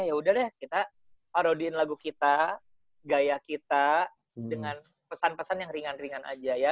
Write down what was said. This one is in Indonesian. ya udah deh kita taruhdin lagu kita gaya kita dengan pesan pesan yang ringan ringan aja ya